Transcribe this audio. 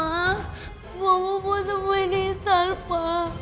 ma mama mau ketemu ini intan ma